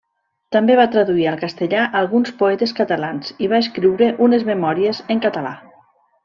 També va traduir al castellà alguns poetes catalans i va escriure unes memòries en català.